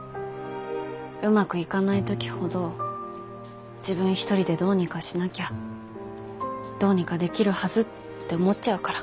うまくいかない時ほど自分一人でどうにかしなきゃどうにかできるはずって思っちゃうから。